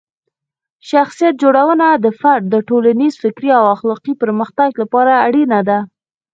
شخصیت جوړونه د فرد د ټولنیز، فکري او اخلاقي پرمختګ لپاره اړینه ده.